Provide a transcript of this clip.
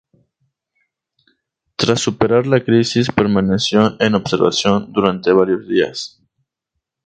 Tras superar la crisis permaneció en observación durante varios días.